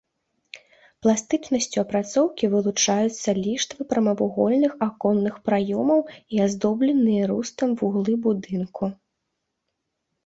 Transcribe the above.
Пластычнасцю апрацоўкі вылучаюцца ліштвы прамавугольных аконных праёмаў і аздобленыя рустам вуглы будынку.